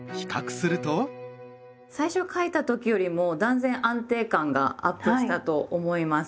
最初書いた時よりも断然安定感がアップしたと思います。